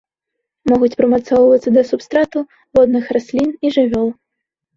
Могуць прымацоўвацца да субстрату, водных раслін і жывёл.